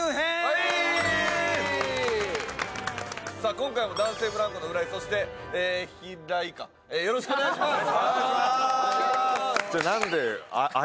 今回も男性ブランコの浦井そしてひらいか、よろしくお願いします。